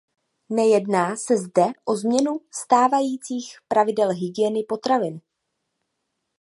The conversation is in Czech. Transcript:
Nejedná se zde o změnu stávajících pravidel hygieny potravin.